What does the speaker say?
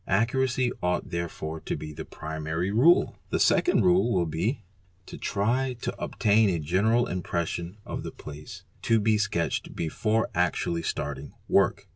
Accuracy ought therefore to be the primary rule. The second rule will be :—try to obtain a general impression of the place to the sketched before actually starting work.